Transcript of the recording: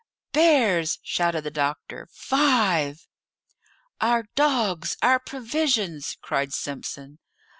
"Bears!" shouted the doctor. "Five!" "Our dogs! Our provisions!" cried Simpson.